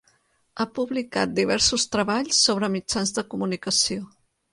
Ha publicat diversos treballs sobre mitjans de comunicació.